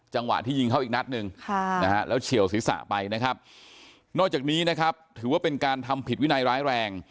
จังหวะที่ยิงเขาอีกนัดหนึ่งแล้วเฉียวศีรษะไปนะครับนอกจากนี้นะครับถือว่าเป็นการทำผิดวินัยร้ายแรง